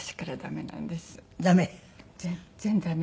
全然ダメ。